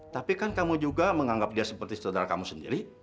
tapi kan kamu juga menganggap dia seperti saudara kamu sendiri